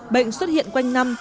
bệnh xuất hiện quanh năm